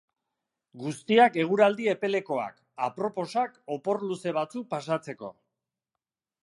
Guztiak eguraldi epelekoak, aproposak opor luze batzuk pasatzeko.